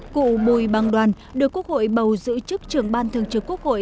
cụ bùi bằng đoàn được quốc hội bầu giữ chức trưởng ban thường trực quốc hội